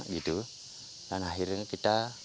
pembangunan berkompensasi berupa hewan ternak